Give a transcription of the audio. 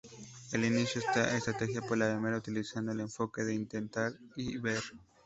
Él inició esta estrategia por la primera utilizando el enfoque de 'Intentar-y-ver'.